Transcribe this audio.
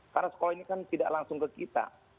karena sekolah ini kan tidak langsung ke kita